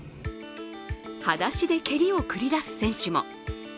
はだしで蹴りを繰り出す選手も。